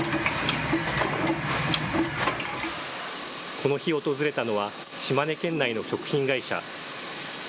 この日、訪れたのは島根県内の食品会社。